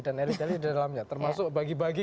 dan elit elit di dalamnya termasuk bagi bagi